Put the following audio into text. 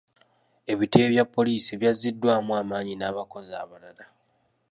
Ebitebe bya poliisi byazziddwamu amaanyi n'abakozi abalala.